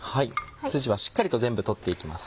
筋はしっかりと全部取っていきます。